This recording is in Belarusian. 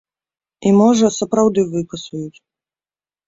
І, можа, сапраўды выкасуюць.